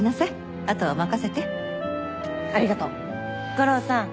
悟郎さん